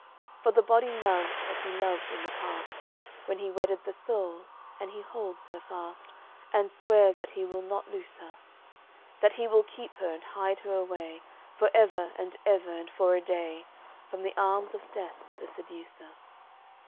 For the body loves, as he loved in the past, When he wedded the soul; and he holds her fast, And swears that he will not loose her; That he will keep her and hide her away For ever and ever and for a day From the arms of Death, the seducer.